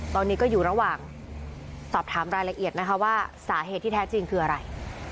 ตอนนี้ก็อยู่ระหว่างสอบถามรายละเอียดนะคะว่าสาเหตุที่แท้จริงคืออะไร